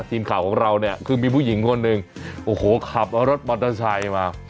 ทีมข่าวของเราเนี่ยคือมีผู้หญิงคนหนึ่งโอ้โหขับรถมอเตอร์ไซค์มา